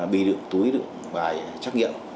bị đựng túi đựng bài trắc nghiệm